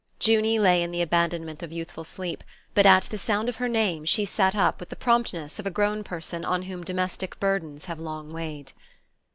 Junie lay in the abandonment of youthful sleep; but at the sound of her name she sat up with the promptness of a grown person on whom domestic burdens have long weighed.